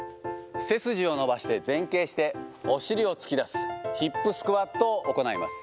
背筋を伸ばして前傾して、お尻を突き出す、ヒップスクワットを行います。